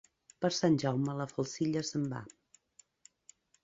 Per Sant Jaume la falcilla se'n va.